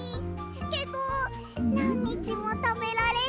けどなんにちもたべられるのもいい！